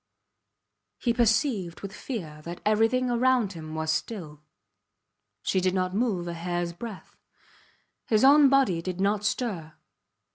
He perceived with fear that everything around him was still. She did not move a hairs breadth; his own body did not stir.